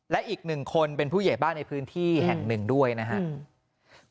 และอีกหนึ่งคนเป็นผู้ใหญ่บ้านในพื้นที่แห่งหนึ่งด้วยนะครับ